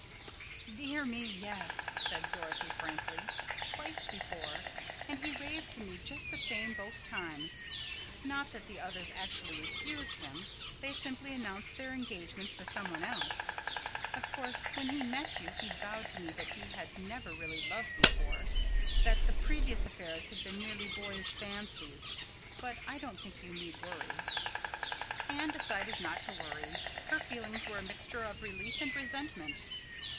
"Dear me, yes," said Dorothy frankly. "Twice before. And he raved to me just the same both times. Not that the others actually refused him—they simply announced their engagements to some one else. Of course, when he met you he vowed to me that he had never really loved before—that the previous affairs had been merely boyish fancies. But I don't think you need worry." Anne decided not to worry. Her feelings were a mixture of relief and resentment.